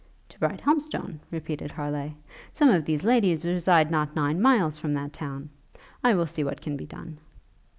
'To Brighthelmstone?' repeated Harleigh; 'some of these ladies reside not nine miles from that town. I will see what can be done.'